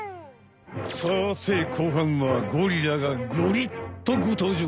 さて後半はゴリラがゴリッとご登場。